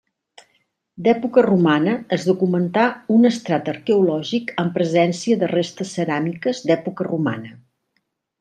D'època romana es documentà un estrat arqueològic amb presència de restes ceràmiques d'època romana.